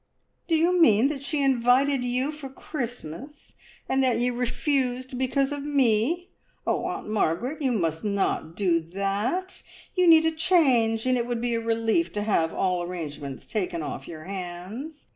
"Do you mean that she invited you for Christmas, and that you refused because of me? Oh, Aunt Margaret, you must not do that! You need a change, and it would be a relief to have all arrangements taken off your hands.